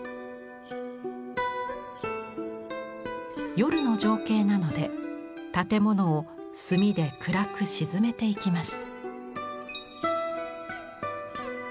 夜の情景なので建物を墨で暗く沈めていきます。